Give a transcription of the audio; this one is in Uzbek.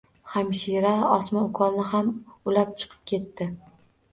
Hamshira osma ukolni ham ulab chiqib ketdi.